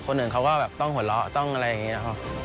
คนอื่นเขาก็แบบต้องหัวเราะต้องอะไรอย่างนี้ครับ